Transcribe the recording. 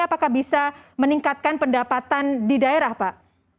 apakah bisa meningkatkan pendapatan di daerah pak